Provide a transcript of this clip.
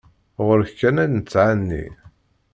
Ɣur-k kan ay nettɛenni.